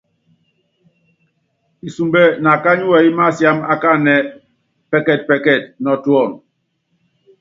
Isumbɛ nákányí wɛyí másiáma akáánɛ, pɛkɛspɛkɛs nɔ tuɔnɔ.